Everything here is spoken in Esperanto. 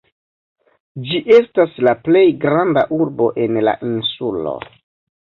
Ĝi estas la plej granda urbo en la insulo.